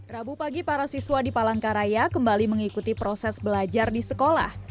rabu pagi para siswa di palangkaraya kembali mengikuti proses belajar di sekolah